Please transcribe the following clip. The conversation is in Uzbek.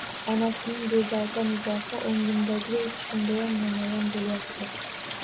Onasining bezovta nigohi oʻngimdayam, tushimdayam namoyon boʻlyapti.